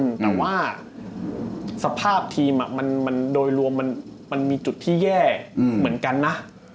แต่ว่าสภาพทีมมันโดยรวมมันมีจุดที่แย่เหมือนกันนะ